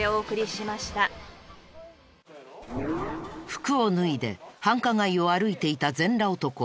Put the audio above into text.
服を脱いで繁華街を歩いていた全裸男。